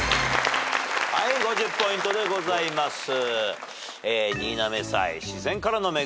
５０ポイントでございます。